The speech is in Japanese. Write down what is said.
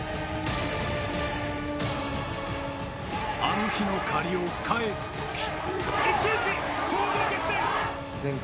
あの日の借りを返すとき。